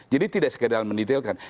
jadi tidak sekedar mendetailkan